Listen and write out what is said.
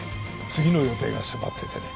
次の予定が迫っててね。